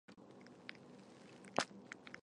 大花甘肃紫堇为罂粟科紫堇属下的一个变种。